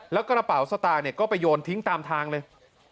แล้วก็ระเป๋าสตาร์ก็ไปโยนทิ้งตามทางเลย